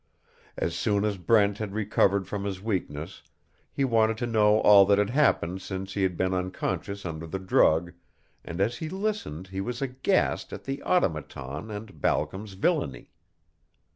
As soon as Brent had recovered from his weakness he wanted to know all that had happened since he had been unconscious under the drug, and as he listened he was aghast at the Automaton and Balcom's villainy.